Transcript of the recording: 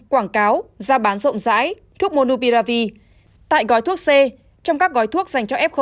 quảng cáo ra bán rộng rãi thuốc monopiravi tại gói thuốc c trong các gói thuốc dành cho f